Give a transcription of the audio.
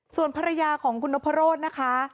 ส่วนภรรยาของคุณนพรสนะคะ